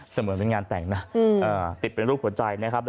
เหมือนเป็นงานแต่งนะติดเป็นรูปหัวใจนะครับ